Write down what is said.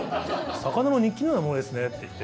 「魚の日記のようなものですね」って言って。